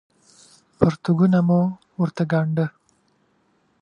پرتوګونه مه ورته ګاڼډه